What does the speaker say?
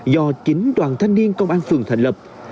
do chính đoàn thanh niên công an phường thành lập